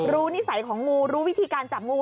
นิสัยของงูรู้วิธีการจับงู